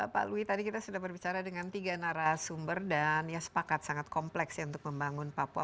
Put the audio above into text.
pak lui tadi kita sudah berbicara dengan tiga narasumber dan ya sepakat sangat kompleks ya untuk membangun papua